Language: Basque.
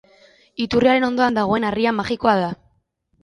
Iturriaren ondoan dagoen harria magikoa da.